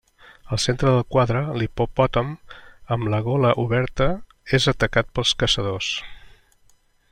Al centre del quadre, l'hipopòtam amb la gola oberta, és atacat pels caçadors.